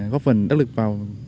góp phần đắc lực vào